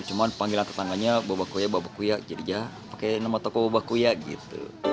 cuma panggilan tetangganya babahkuya babahkuya jadi aja pake nama toko babahkuya gitu